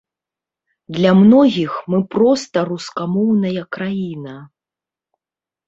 Для многіх мы проста рускамоўная краіна.